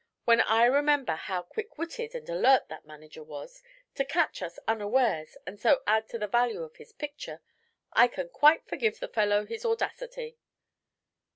When I remember how quick witted and alert that manager was, to catch us unawares and so add to the value of his picture, I can quite forgive the fellow his audacity."